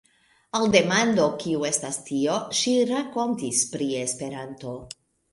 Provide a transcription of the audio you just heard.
Al demando kio estas tio, ŝi rakontis pri Esperanto.